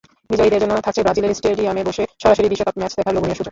বিজয়ীদের জন্য থাকছে ব্রাজিলের স্টেডিয়ামে বসে সরাসরি বিশ্বকাপ ম্যাচ দেখার লোভনীয় সুযোগ।